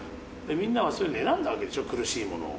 みんなはそれで選んだわけでしょ、苦しいものを。